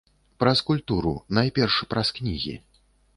Праз культуру, найперш, праз кнігі.